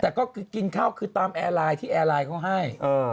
แต่ก็กินข้าวคือตามที่ยังไงเขาก็ให้